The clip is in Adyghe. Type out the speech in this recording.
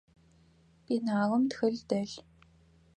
Пеналым тхылъ дэлъ.